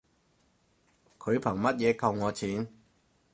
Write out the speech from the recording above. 佢憑乜嘢扣我錢